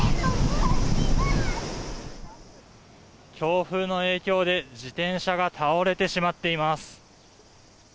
強風の影響で、自転車が倒れてしまっています。